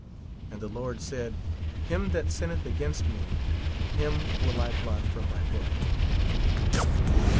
And the Lord said : Him that sinneth against me, him will I blot from my book.